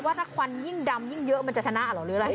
ว่าถ้าควันยิ่งดำยิ่งเยอะมันจะชนะเหรอหรืออะไร